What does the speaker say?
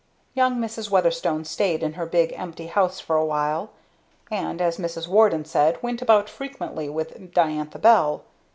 Young Mrs. Weatherstone stayed in her big empty house for a while, and as Mrs. Warden said, went about frequently with Diantha Bell.